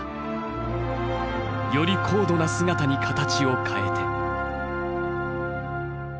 より高度な姿に形を変えて。